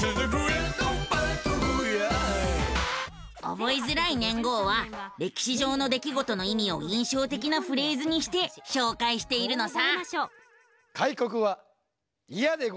覚えづらい年号は歴史上の出来事の意味を印象的なフレーズにして紹介しているのさ。